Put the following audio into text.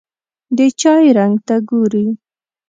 د چای رنګ ته ګوري.